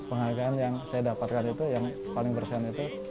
penghargaan yang saya dapatkan itu yang paling bersan itu